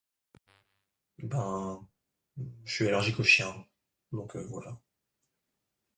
je suis allergique aux chiens ben voilà